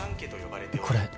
これ